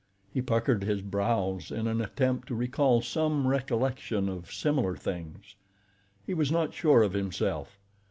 He puckered his brows in an attempt to recall some recollection of similar things. He was not sure of himself.